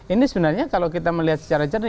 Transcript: ini sebenarnya kalau kita melihat secara jernih